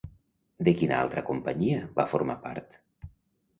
De quina altra companyia va formar part?